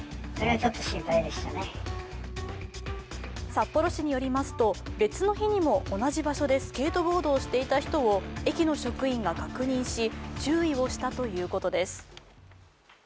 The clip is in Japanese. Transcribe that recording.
札幌市によりますと、別の日にも同じ場所でスケートボードをしていた人を、駅の職員が確認し注意をしたということです。